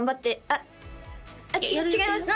あっ違います